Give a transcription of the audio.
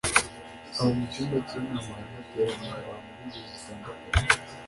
aho mu cyumba cy’inama hari hateraniye abantu bingeri zitandukanye